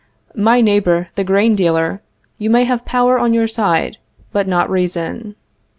My neighbor, the grain dealer, you may have power on your side, but not reason.